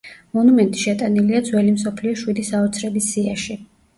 მონუმენტი შეტანილია ძველი მსოფლიოს შვიდი საოცრების სიაში.